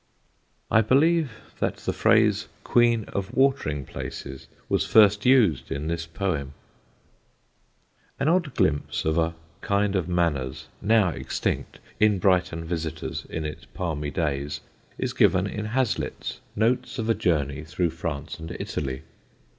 I believe that the phrase "Queen of Watering Places" was first used in this poem. [Sidenote: EXTINCT COURTESY] An odd glimpse of a kind of manners (now extinct) in Brighton visitors in its palmy days is given in Hazlitt's Notes of a Journey through France and Italy.